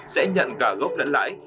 sẽ nhận cả góp lẫn lãi